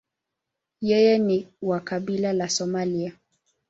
Yeye ni wa kabila la Somalia.